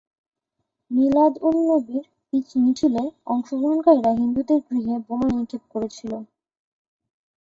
মিলাদ-উল-নবীর মিছিলে অংশগ্রহণকারীরা হিন্দুদের গৃহে বোমা নিক্ষেপ করেছিল।